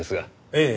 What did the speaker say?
ええ。